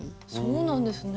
そうなんですね。